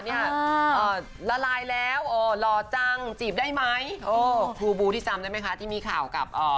นี่ละลายแล้วโอ๋เหล่าจังจีบได้ไหมกูที่ทราบได้ไหมคะที่มีข่ากับ